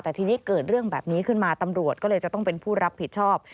แต่ทีนี้เกิดเรื่องแบบนี้ขึ้นมาตำรวจก็เลยจะต้องเป็นผู้รับผิดชอบ